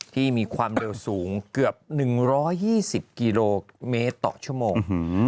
ที่มีความเร็วสูงเกือบ๑๒๐กิโลเมตรต่อชั่วโมง